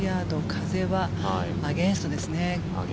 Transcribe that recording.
風はアゲンストですね。